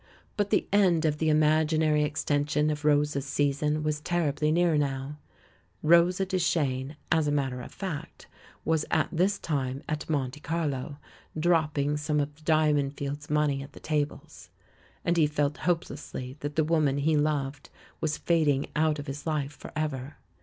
But the end of the imaginary extension of Rosa's season was terribly near now; Rosa Duchene, as a matter of fact, was at this time at IMonte Carlo, dropping some of the Diamond Fields' money at the tables; and he felt hopelessly that the woman he loved was fading out of his life for ever.